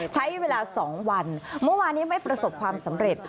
ใช้เวลา๒วันเมื่อวานนี้ไม่ประสบความสำเร็จ